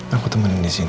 aku temenin disini